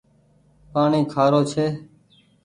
پآڻيٚ کآرو ڇي۔